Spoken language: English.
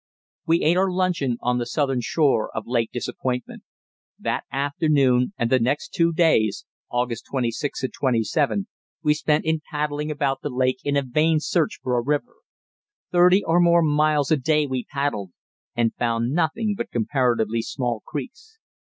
We ate our luncheon on the southern shore of Lake Disappointment. That afternoon and the next two days (August 26 and 27) we spent in paddling about the lake in a vain search for a river. Thirty or more miles a day we paddled, and found nothing but comparatively small creeks.